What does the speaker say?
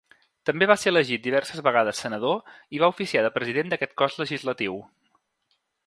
També va ser elegit diverses vegades senador i va oficiar de president d'aquest cos legislatiu.